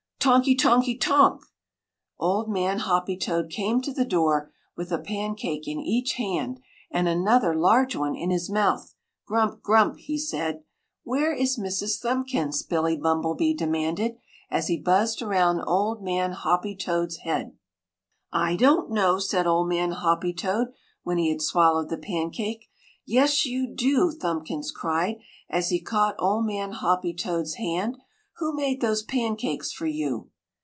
TONKY TONKY TONK! Old Man Hoppy toad came to the door with a pancake in each hand and another large one in his mouth. "GRUMP! GRUMP!" he said. "Where is Mrs. Thumbkins?" Billy Bumblebee demanded, as he buzzed around Old Man Hoppy toad's head. "I don't know!" said Old Man Hoppy toad when he had swallowed the pancake. "Yes, you do!" Thumbkins cried as he caught Old Man Hoppy toad's hand. "Who made those pancakes for you?"